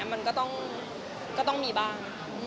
มันก็ต้องมีบ้าง